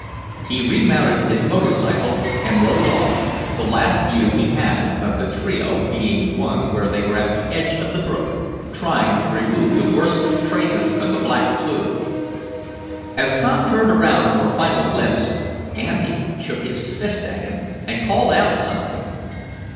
He remounted his motor cycle, and rode off, the last view he had of the trio being one where they were at the edge of the brook, trying to remove the worst traces of the black fluid. As Tom turned around for a final glimpse, Andy shook his fist at him, and called out something.